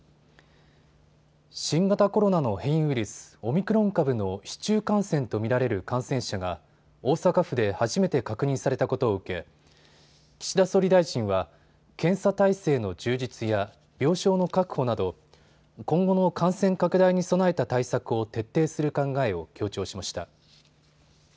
新型コロナの変異ウイルス、オミクロン株の市中感染と見られる感染者が大阪府で初めて確認されたことを受け岸田総理大臣は検査体制の充実や病床の確保など今後の感染拡大に備えた対策を徹底する考えを強調しました。